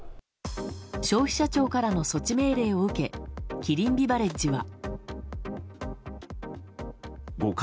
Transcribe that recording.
消費者庁からの措置命令を受けキリンビバレッジは。